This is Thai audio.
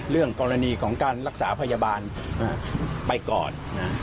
เรื่องกรณีของการรักษาพยาบาลไปก่อน